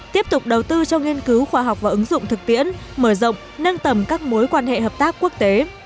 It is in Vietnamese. tiếp tục đầu tư cho nghiên cứu khoa học và ứng dụng thực tiễn mở rộng nâng tầm các mối quan hệ hợp tác quốc tế